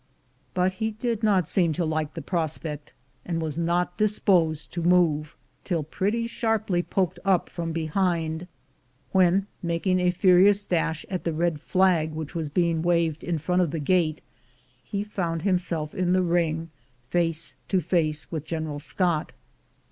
But he did not seem to like the prospect, and was not disposed to move till pretty sharply poked up from behind, when, making a furious dash at the red flag which was being waved in front of the gate, he found himself in the ring face to face with General Scott.